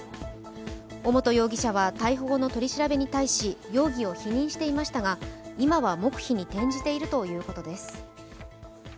尾本容疑者は逮捕後の取り調べに対し容疑を否認していましたが今は黙秘に転じているということです。